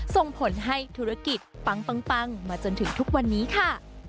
ส่งผลให้ธุรกิจปังมาจนถึงทุกวันนี้ค่ะ